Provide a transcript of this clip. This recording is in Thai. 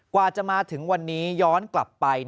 กว่าจะมาถึงวันนี้ย้อนกลับไป